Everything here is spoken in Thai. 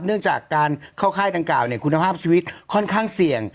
เนื่องจากการเข้าค่ายดังกล่าวคุณภาพชีวิตค่อนข้างเสี่ยง